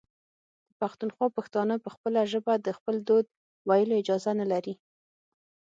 د پښتونخوا پښتانه په خپله ژبه د خپل درد ویلو اجازه نلري.